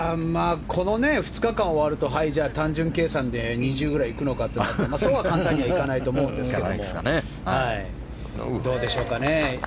この２日間に終わると単純計算で２０ぐらいいくのかというとそうは簡単にいかないと思いますがどうでしょうかね。